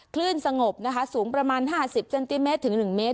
คลื่นสงบนะคะสูงประมาณห้าสิบเซนติเมตรถึงหนึ่งเมตร